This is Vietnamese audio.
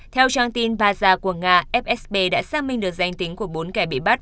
theo trang tin paza của nga fsb đã xác minh được danh tính của bốn kẻ bị bắt